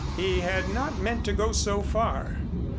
He had not meant to go so far.